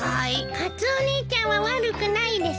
カツオ兄ちゃんは悪くないです。